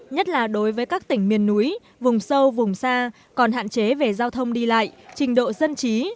nhất là đối với các tỉnh miền núi vùng sâu vùng xa còn hạn chế về giao thông đi lại trình độ dân trí